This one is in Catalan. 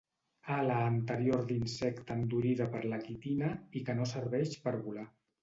Ala anterior d'insecte endurida per la quitina i que no serveix per volar.